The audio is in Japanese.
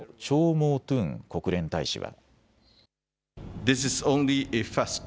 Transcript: モー・トゥン国連大使は。